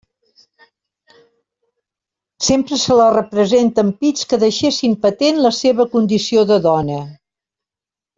Sempre se la representa amb pits que deixessin patent la seva condició de dona.